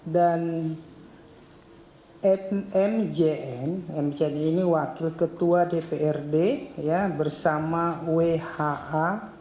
dan mjn mjn ini wakil ketua dprd bersama wha